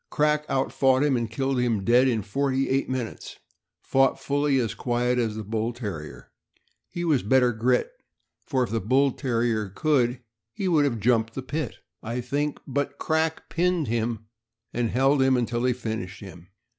Crack outfought him, and killed him dead in forty eight minutes, and fought fully as quiet as the Bull Terrier. He was better grit, for if the Bull Terrier could, he would have jumped the pit, I think; but Crack pinned him and held him until he finished him.